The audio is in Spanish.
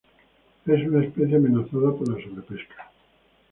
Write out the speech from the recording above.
Es una especie amenazada por la sobrepesca.